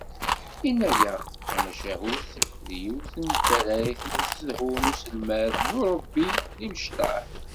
Yenna-aɣ-d: “Tamacahut d yiwet n tarrayt n usedhu d uselmed d urebbi n yimecṭaḥ